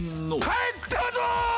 帰ったぞー！